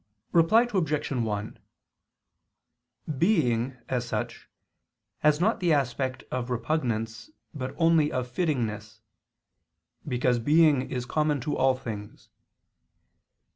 Reply Obj. 1: Being, as such, has not the aspect of repugnance but only of fittingness; because being is common to all things.